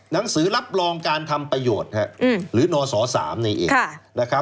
หนังสือรับรองการทำประโยชน์หรือนศ๓นี่เองนะครับ